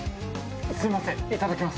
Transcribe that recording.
すいませんいただきます。